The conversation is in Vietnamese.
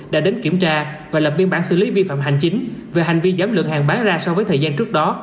đã đến kiểm tra và lập biên bản xử lý vi phạm hành chính về hành vi giảm lượng hàng bán ra so với thời gian trước đó